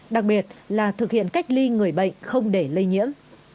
đặc biệt là thực hiện cách ly người bệnh không để lây nhiễm